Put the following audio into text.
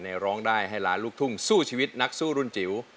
ร้องได้ให้ล้านลูกทุ่งสู้ชีวิตนักสู้รุ่นจิ๋ว